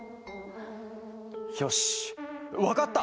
よしわかった！